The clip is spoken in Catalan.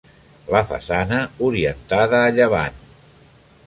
La façana orientada a llevant.